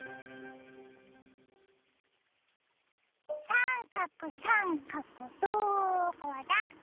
さんかくさんかくどこだ？